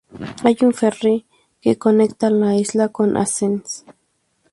Hay un ferry que conecta la isla con Assens.